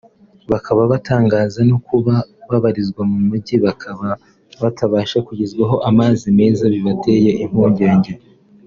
bakaba batangaza no kuba babarizwa mu Mujyi bakaba batabasha kugezwaho amazi meza bibateye impungenge